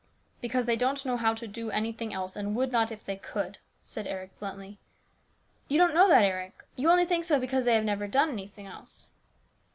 " Because they don't know how to do anything else, and would not if they could," said Eric bluntly. " You don't know that, Eric ; you only think so because they never have done anything else."